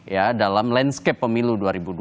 ya dalam landscape pemilu dua ribu dua puluh